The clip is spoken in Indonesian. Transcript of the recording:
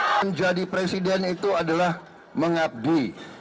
menjadi presiden itu adalah mengabdi